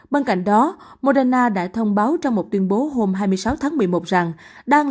bên cạnh đó moderna đã thông báo trong một tuyên bố hôm hai mươi sáu tháng một mươi một rằng đang